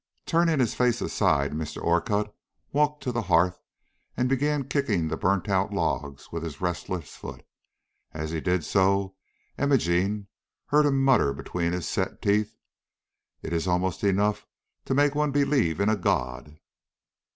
Turning his face aside, Mr. Orcutt walked to the hearth and began kicking the burnt out logs with his restless foot. As he did so, Imogene heard him mutter between his set teeth: "It is almost enough to make one believe in a God!"